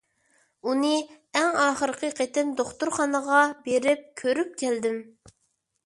ئۇنى ئەڭ ئاخىرقى قېتىم دوختۇرخانىغا بېرىپ كۆرۈپ كەلدىم.